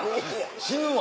死ぬわ！